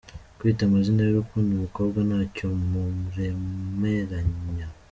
Kwita amazina y’urukundo umukobwa ntacyo muremeranya.